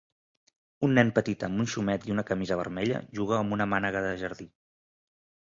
Un nen petit amb un xumet i una camisa vermella juga amb una mànega de jardí.